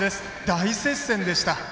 大接戦でした。